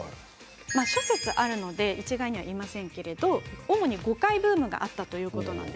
諸説あるので一概には言えませんけれど主に５回ブームがあったということなんです。